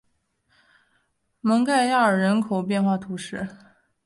蒙盖亚尔人口变化图示